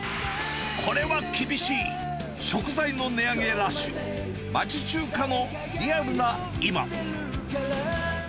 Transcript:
これは厳しい、食材の値上げラッシュ、町中華のリアルな今。